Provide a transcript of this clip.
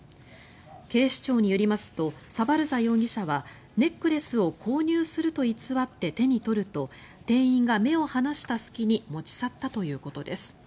警視庁によりますとサバルザ容疑者はネックレスを購入すると偽って手に取ると店員が目を離した隙に持ち去ったということです。